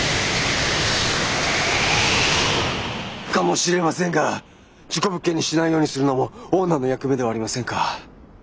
かもしれませんが事故物件にしないようにするのもオーナーの役目ではありませんか？